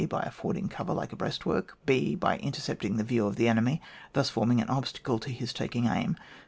By affording cover like a breastwork. b. By intercepting the view of the enemy, thus forming an obstacle to his taking aim.